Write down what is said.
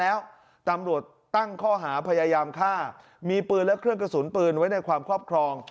แล้วตำรวจตั้งข้อหาพยายามฆ่ามีปืนและเครื่องกระสุนปืนไว้ในความครอบครอง